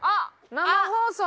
生放送。